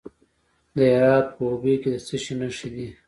د هرات په اوبې کې د څه شي نښې دي؟